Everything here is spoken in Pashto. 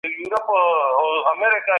حکومت بايد بې وزله حمايه کړي.